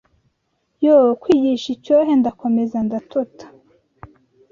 Yo kwigisha icyohe Ndakomeza ndatota